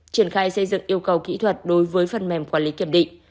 triển khai xây dựng yêu cầu kỹ thuật đối với phần mềm quản lý kiểm định